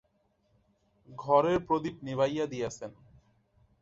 ঘরের প্রদীপ নিবাইয়া দিয়াছেন।